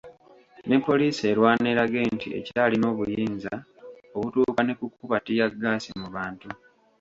Ne Poliisi erwana erage nti ekyalina obuyinza obutuuka ne kukuba ttiyaggaasi mu bantu.